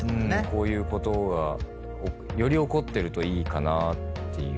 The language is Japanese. こういうことがより起こってるといいかなっていうので。